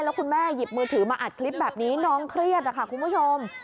แล้วคุณแม่หยิบมือถือมาอัดคลิปแบบนี้น้องเครียดนะคะคุณผู้ชม